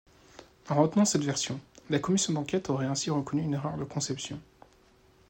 En retenant cette version, la commission d'enquête aurait ainsi reconnu une erreur de conception.